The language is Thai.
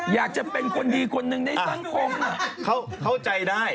อยากจะเป็นคนดีคนหนึ่งในสังคม